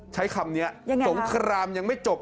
ใช้คำนี้สงครามยังไม่จบ